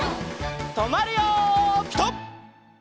とまるよピタ！